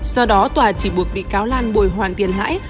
do đó tòa chỉ buộc bị cáo lan bồi hoàn tiền lãi